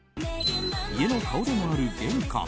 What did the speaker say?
家の顔でもある玄関。